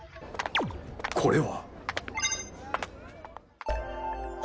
これは。